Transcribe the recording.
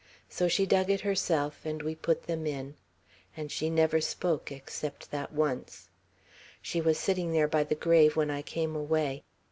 So she dug it herself; and we put them in; and she never spoke, except that once. She was sitting there by the grave when I came away.